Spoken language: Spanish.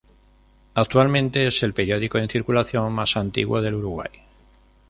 Actualmente es el periódico en circulación más antiguo del Uruguay.